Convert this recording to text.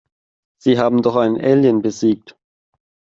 Sie haben doch einen Alien besiegt.